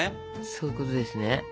そういうことですね。